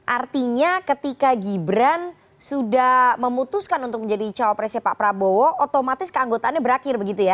artinya ketika gibran sudah memutuskan untuk menjadi cawapresnya pak prabowo otomatis keanggotaannya berakhir begitu ya